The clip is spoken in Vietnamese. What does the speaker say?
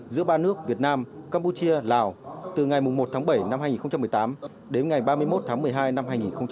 giữa ba nước việt nam campuchia lào từ ngày một tháng bảy năm hai nghìn một mươi tám đến ngày ba mươi một tháng một mươi hai năm hai nghìn một mươi chín